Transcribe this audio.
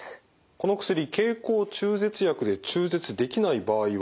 この薬経口中絶薬で中絶できない場合はあるんですか？